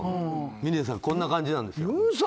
峰さん、こんな感じなんですけど。